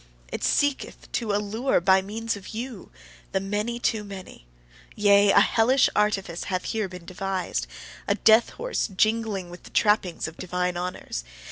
It seeketh to allure by means of you, the many too many! Yea, a hellish artifice hath here been devised, a death horse jingling with the trappings of divine honours!